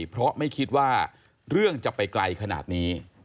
เพราะไม่คิดว่าเรื่องจะไปไกลขนาดนี้